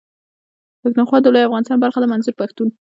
پښتونخوا د لوی افغانستان برخه ده منظور پښتون.